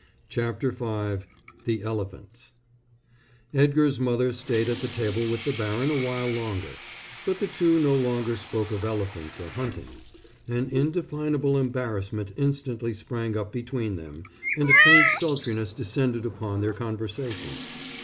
CHAPTER V THE ELEPHANTS Edgar's mother stayed at table with the baron a while longer. But the two no longer spoke of elephants or hunting. An indefinable embarrassment instantly sprang up between them, and a faint sultriness descended upon their conversation.